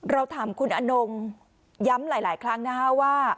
เราถามคุณอนงย้ำหลายครั้งนะคะว่า